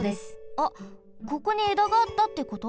あここにえだがあったってこと？